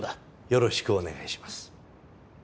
よろしくお願いします。